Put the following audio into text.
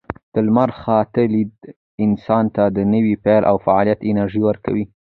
د لمر خاته لیدل انسان ته د نوي پیل او فعالیت انرژي ورکوي.